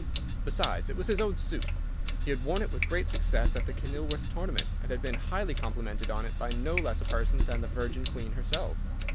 Besides it was his own suit. He had worn it with great success at the Kenilworth tournament, and had been highly complimented on it by no less a person than the Virgin Queen herself.